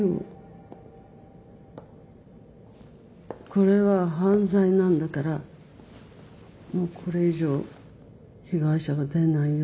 「これは犯罪なんだからもうこれ以上被害者が出ないように」と。